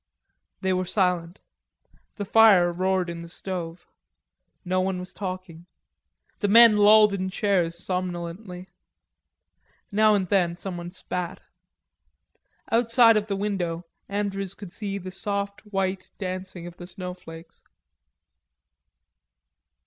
They were silent. The fire roared in the stove. No one was talking. The men lolled in chairs somnolently. Now and then someone spat. Outside of the window Andrews could see the soft white dancing of the snowflakes.